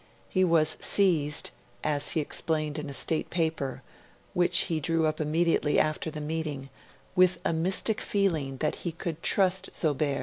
He was seized, as he explained in a State paper, which he drew up immediately after the meeting, with a 'mystic feeling' that he could trust Zobeir.